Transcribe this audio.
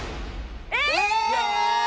え！